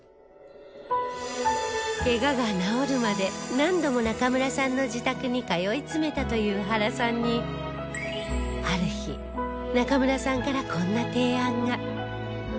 ケガが治るまで何度も中村さんの自宅に通い詰めたという原さんにある日中村さんからこんな提案が